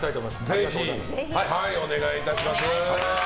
ぜひお願いいたします。